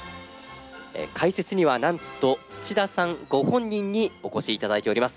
解説にはなんと土田さんご本人にお越し頂いております。